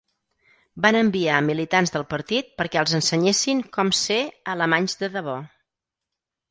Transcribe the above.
Van enviar a militants del partit perquè els ensenyessin com ser "alemanys de debò".